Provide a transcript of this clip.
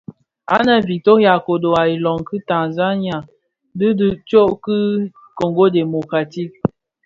Anë a Victoria kodo a iloň ki Tanzania dhi bi tsog ki a Kongo Democratique.